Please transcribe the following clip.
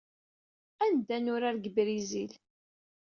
Ad neddu ad nurar deg Brizil.